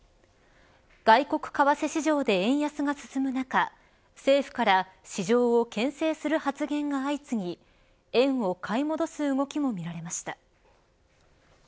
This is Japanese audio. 外国為替市場で円安が進む中政府から市場をけん制する発言が相次ぎ円を買い戻す動きも見られました。